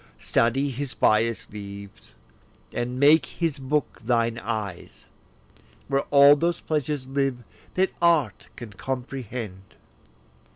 Study his bias leaves, and make his book thine eyes, Where all those pleasures live that art can comprehend.